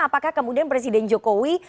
apakah kemudian presiden jokowi